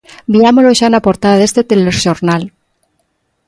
Viámolo xa na portada deste telexornal.